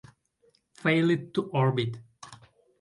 Failed to orbit.